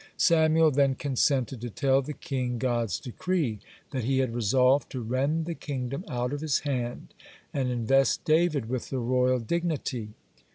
Samuel then consented to tell the king God's decree, that he had resolved to rend the kingdom out of his hand, and invest David with the royal dignity.